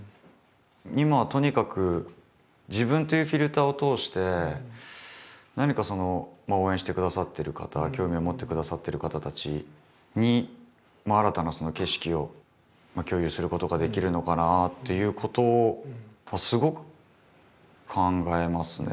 今はとにかく自分というフィルターを通して何か応援してくださってる方興味を持ってくださってる方たちに新たな景色を共有することができるのかなっていうことはすごく考えますね。